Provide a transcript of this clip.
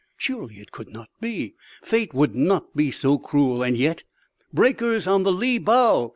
Surely it could not be fate would not be so cruel and yet "Breakers on the lee bow!"